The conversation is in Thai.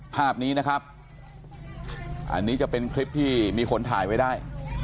ภาพนี้นะครับอันนี้จะเป็นคลิปที่มีคนถ่ายไว้ได้